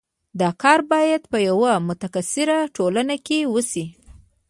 دا کار باید په یوه متکثره ټولنه کې وشي.